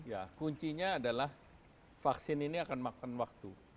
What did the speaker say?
ya kuncinya adalah vaksin ini akan makan waktu